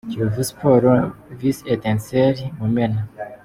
Kiyovu Sports vs Etincelles - Mumena.